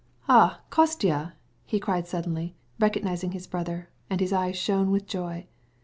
"Ah, Kostya!" he exclaimed suddenly, recognizing his brother, and his eyes lit up with joy.